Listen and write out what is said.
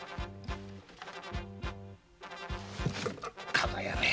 加賀屋め！